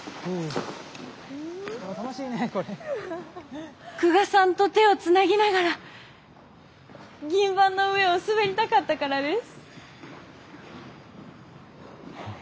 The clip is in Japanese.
・楽しいねこれ！・久我さんと手をつなぎながら銀盤の上を滑りたかったからです。